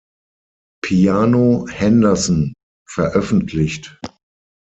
Piano” Henderson" veröffentlicht.